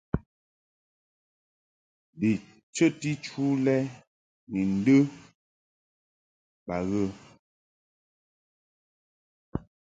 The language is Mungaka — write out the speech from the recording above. Bi chəti chu lɛ ni ndə ba ghə.